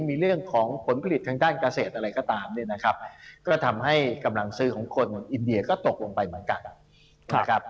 มีเรื่องของผลผลิตทางด้านเกษตรอะไรก็ตามเนี่ยนะครับก็ทำให้กำลังซื้อของคนอินเดียก็ตกลงไปเหมือนกันนะครับ